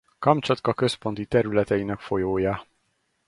Kamcsatka központi területeinek folyója.